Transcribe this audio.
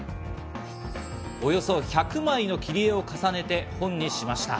およそ１００枚の切り絵を重ねて本にしました。